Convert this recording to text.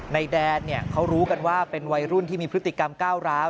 ในแดนเขารู้กันว่าเป็นวัยรุ่นที่มีพฤติกรรมก้าวร้าว